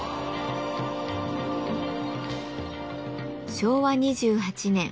昭和２８年。